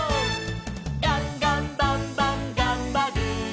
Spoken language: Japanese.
「ガンガンバンバンがんばる！」